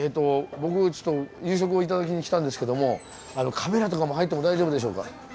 僕ちょっと夕食を頂きに来たんですけどもあのカメラとかも入っても大丈夫でしょうか？